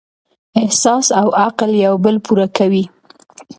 احساس او عقل یو بل پوره کوي.